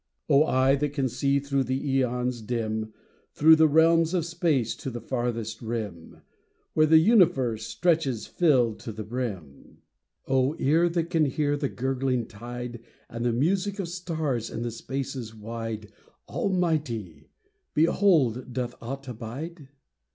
O Bye that can see through the aeons dim, Through the realms of space to the farthest rim, Where the universe stretches filled to the brim ; Ear that can hear the gurgling tide, And the music of stars in the spaces wide, Almighty! Behold, doth aught abide?